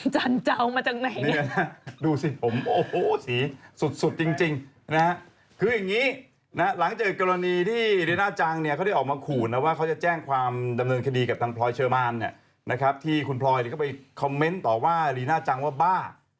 จันเจ้ามาจากไหนดูสิผมสีสุดจริงคืออย่างนี้หลังจากกรณีที่ลีน่าจังได้ออกมาขุนว่าเขาจะแจ้งความดำเนินคดีกับทางพรอยเชอร์มานที่คุณพรอยก็ไปคอมเมนต์ตอบว่าลีน่าจังว่าบ้า